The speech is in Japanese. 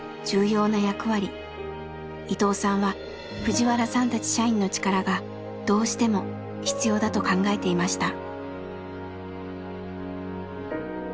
伊藤さんはプジワラさんたち社員の力がどうしても必要だと考えていました。